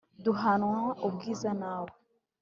duhanwa ubwiza na we.